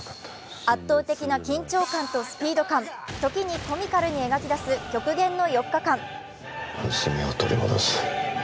圧倒的な緊張感とスピード感、時にコミカルに描き出す極限の４日間。